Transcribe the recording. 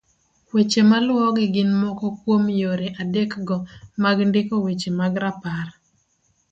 Weche maluwogi gin moko kuom yore adekgo mag ndiko weche mag rapar